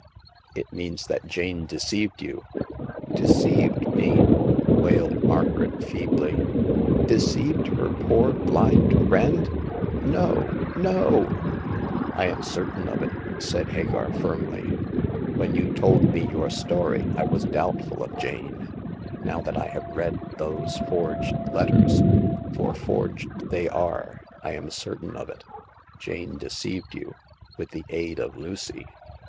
It means that Jane deceived you." " Deceived me !" wailed Margaret, feebly — •'deceived her poor blind friend ! No^ no I "_* 172 Hagar of the Pawn Shop. *' I am certain of it !" said Hagar, firmly. " When you told me your story, I was doubtful of Jane ; now that I have read those forged let ters—for forged they are— I am certain of it. Jane deceived you, with the aid of Lucy